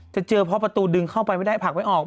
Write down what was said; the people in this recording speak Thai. จะเจอเพราะประตูดึงเข้าไปไม่ได้ผลักไม่ออก